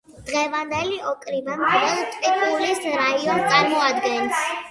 დღევანდელი ოკრიბა მხოლოდ ტყიბულის რაიონს წარმოადგენს.